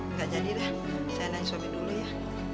enggak jadi dah saya nain suami dulu ya